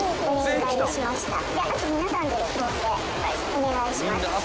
お願いします。